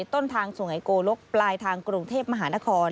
ต้นทางสวงเกาลกปลายทางกรวงเทพมหานคร